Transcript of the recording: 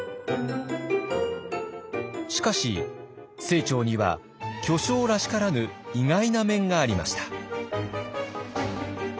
しかし清張には巨匠らしからぬ意外な面がありました。